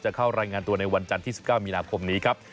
เข้ารายงานตัวในวันจันทร์ที่๑๙มีนาคมนี้ครับ